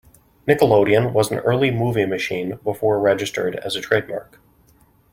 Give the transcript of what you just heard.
"Nickelodeon" was an early movie machine before registered as a trademark.